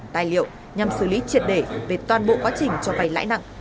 tài liệu nhằm xử lý triệt đề về toàn bộ quá trình cho vay lãi nặng của nhóm đối tượng